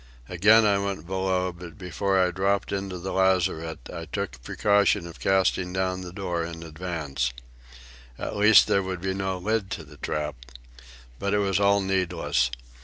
Again I went below; but before I dropped into the lazarette I took the precaution of casting down the door in advance. At least there would be no lid to the trap. But it was all needless.